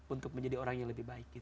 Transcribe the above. untuk menjadi orang yang lebih baik